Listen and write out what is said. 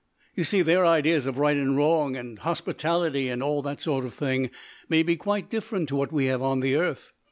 You see, their ideas of right and wrong and hospitality and all that sort of thing may be quite different to what we have on the earth.